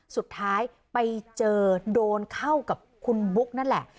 สุดท้ายไปเจอโดนเข้ากับคุณบุ๊กนั่นแหละ